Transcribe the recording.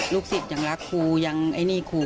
สิทธิ์ยังรักครูยังไอ้นี่ครู